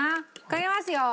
かけますよ！